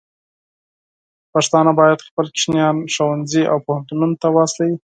پښتانه بايد خپل ماشومان ښوونځي او پوهنتونونو ته واستوي.